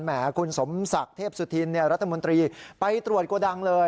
แหมคุณสมศักดิ์เทพสุธินรัฐมนตรีไปตรวจโกดังเลย